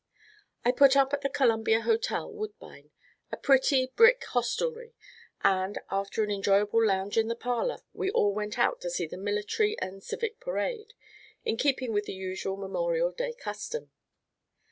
I put up at the Columbia Hotel, Woodbine, a pretty brick hostelry, and, after an enjoyable lounge in the parlor, we all went out to see the military and civic parade, in keeping with the usual Memorial day custom.